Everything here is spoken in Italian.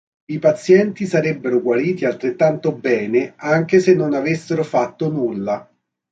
I pazienti sarebbero guariti altrettanto bene anche se non avessero fatto nulla.